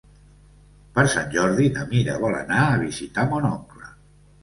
Per Sant Jordi na Mira vol anar a visitar mon oncle.